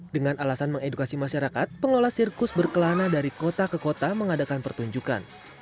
dengan alasan mengedukasi masyarakat pengelola sirkus berkelana dari kota ke kota mengadakan pertunjukan